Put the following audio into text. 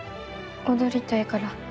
踊りたいから。